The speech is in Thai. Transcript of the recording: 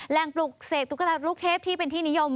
ปลุกเสกตุ๊กตาลูกเทพที่เป็นที่นิยม